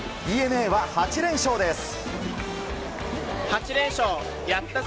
ＤｅＮＡは８連勝です。